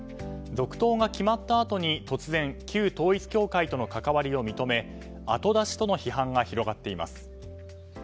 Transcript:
続投が決まったあとに突然旧統一教会との関わりを認め後出しとの批判が広がっています。